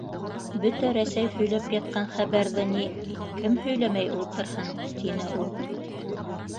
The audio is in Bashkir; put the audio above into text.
— Бөтә Рәсәй һөйләп ятҡан хәбәрҙе ни, кем һөйләмәй ултырһын? — тине ул.